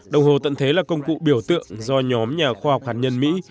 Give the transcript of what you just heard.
đồng hồ tận thế là công cụ biểu tượng do nhóm nhà khoa học hạt nhân mỹ